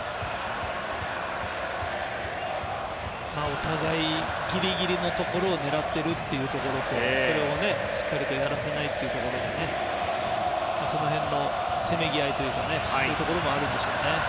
お互いギリギリのところを狙っているというところとそれをしっかりやらせないところでその辺のせめぎ合いというところもあるでしょう。